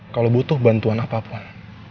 kalo butuh bantuan apapun